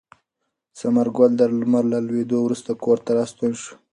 ثمر ګل د لمر له لوېدو وروسته کور ته راستون شو.